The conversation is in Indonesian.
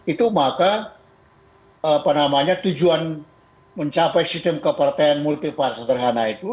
itu maka tujuan mencapai sistem kepartean multi partai sederhana itu